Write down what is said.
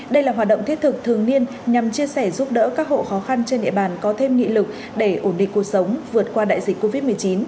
đây là hoạt động thiết thực thường niên nhằm chia sẻ giúp đỡ các hộ khó khăn trên địa bàn có thêm nghị lực để ổn định cuộc sống vượt qua đại dịch covid một mươi chín